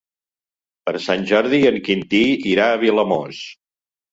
Per Sant Jordi en Quintí irà a Vilamòs.